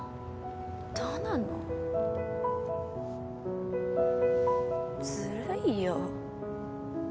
どうなんの？ずるいよ。